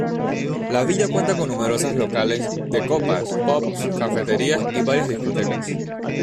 La villa cuenta con numerosos locales de copas, pubs, cafeterías y varias discotecas.